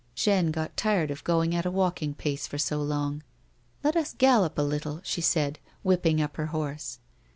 Jeanne got tired of going at a walking pace for so long. " Let us gallop a little," she said, whipping up her horse.